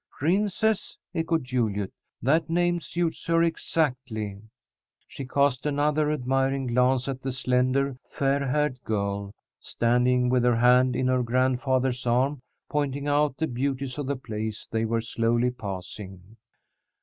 "Princess," echoed Juliet. "That name suits her exactly." She cast another admiring glance at the slender, fair haired girl, standing with her hand in her grandfather's arm, pointing out the beauties of the place they were slowly passing.